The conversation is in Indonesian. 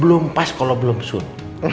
belum pas kalo belum soon